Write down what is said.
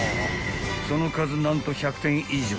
［その数何と１００点以上］